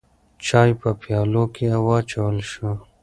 چای په پیالو کې واچول شو.